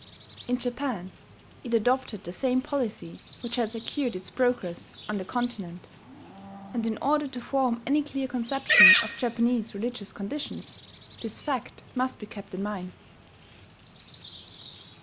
In Japan it adopted the same policy which had secured its progress on the continent; and in order to form any clear conception of Japanese religious conditions, this fact must be kept in mind.